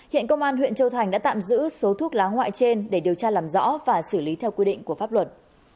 hiện công an huyện châu thành đã tạm giữ số thuốc lá ngoại trên để điều tra làm rõ và xử lý theo quy định của pháp luật